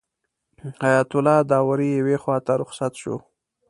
حیات الله داوري یوې خواته رخصت شو.